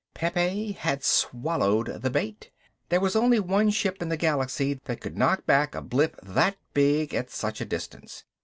Pepe had swallowed the bait. There was only one ship in the galaxy that could knock back a blip that big at such a distance.